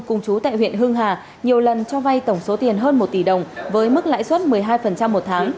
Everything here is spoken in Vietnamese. cùng chú tại huyện hưng hà nhiều lần cho vay tổng số tiền hơn một tỷ đồng với mức lãi suất một mươi hai một tháng